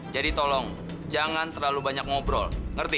jadi tolong jangan terlalu banyak ngobrol ngerti